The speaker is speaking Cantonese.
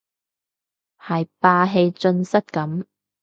係霸氣盡失咁